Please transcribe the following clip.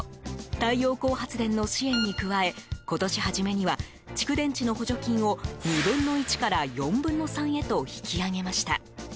太陽光発電の支援に加え今年初めには蓄電池の補助金を、２分の１から４分の３へと引き上げました。